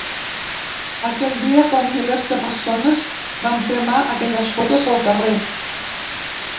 Aquell dia, com milers de persones, vam cremar aquelles fotos al carrer.